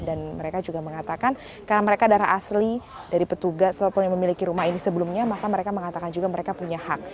dan mereka juga mengatakan karena mereka darah asli dari petugas atau yang memiliki rumah ini sebelumnya maka mereka mengatakan juga mereka punya hak